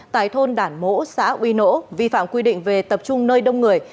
tại thôn đản mỗ xã uy nỗ vi phạm quy định về tập trung nơi đông người